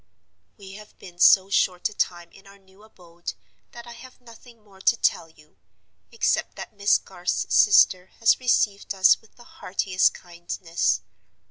"We have been so short a time in our new abode that I have nothing more to tell you—except that Miss Garth's sister has received us with the heartiest kindness.